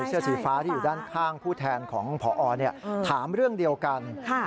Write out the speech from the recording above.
เสื้อสีฟ้าที่อยู่ด้านข้างผู้แทนของพอถามเรื่องเดียวกัน